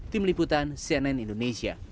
tim liputan cnn indonesia